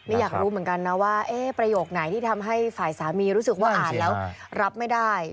อยากรู้เหมือนกันนะว่าประโยคไหนที่ทำให้ฝ่ายสามีรู้สึกว่าอ่านแล้วรับไม่ได้